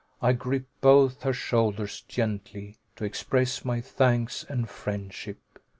I gripped both her shoulders, gently, to express my thanks and friendship.